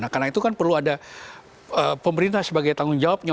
karena itu kan perlu ada pemerintah sebagai tanggung jawabnya